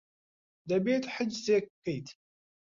دەبێت حجزێک بکەیت.